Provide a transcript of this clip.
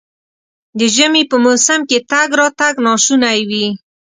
د ژمي په موسم کې تګ راتګ ناشونی وي.